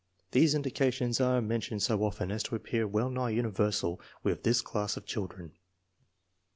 These indications are mentioned so often as to appear well nigh universal with this class of children.